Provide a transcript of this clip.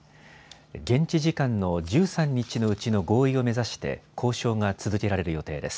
現地時間の１３日のうちの合意を目指して交渉が続けられる予定です。